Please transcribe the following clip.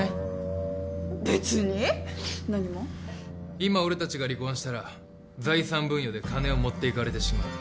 今俺たちが離婚したら財産分与で金を持っていかれてしまう。